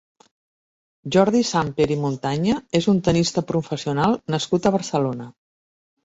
Jordi Samper i Montaña és un tennista professional nascut a Barcelona.